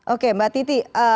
oke mbak titi